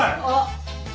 あっ。